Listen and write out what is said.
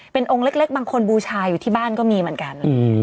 เป็นองค์เล็กบางคนบูชาอยู่ที่บ้านก็มีเหมือนกัน